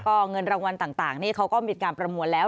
ก็เงินรางวัลต่างนี่เขาก็มีการประมวลแล้ว